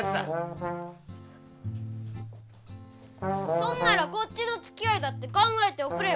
そんならこっちのつきあいだって考えておくれよ。